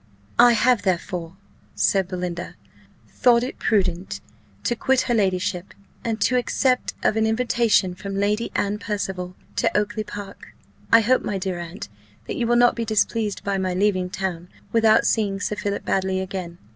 "I have, therefore," said Belinda, "thought it prudent to quit her ladyship, and to accept of an invitation from Lady Anne Percival to Oakly park. I hope, my dear aunt, that you will not be displeased by my leaving town without seeing Sir Philip Baddely again.